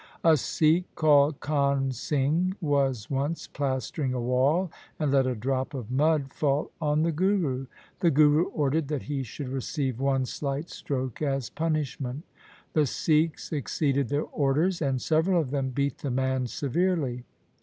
A Sikh called Kahn Singh was once plastering a wall and let a drop of mud fall on the Guru. The Guru ordered that he should receive one slight stroke as punishment. The Sikhs exceeded their orders, and several of them beat the man severely.